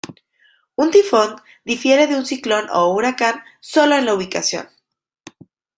Un tifón difiere de un ciclón o huracán sólo en la ubicación.